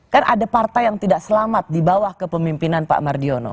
kan ada partai yang tidak selamat di bawah kepemimpinan pak mardiono